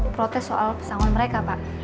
protes soal pesangon mereka pak